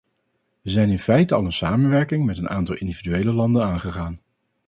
Wij zijn in feite al een samenwerking met een aantal individuele landen aangegaan.